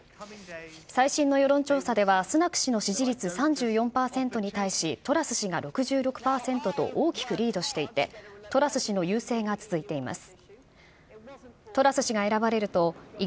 最新の世論調査では、スナク氏の支持率３４％に対し、トラス氏が６６％と、大きくリードしていて、トラス氏の優勢が続いています。